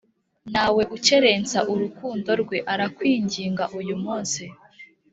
nawe ukerensa urukundo rwe, arakwinginga uyu munsi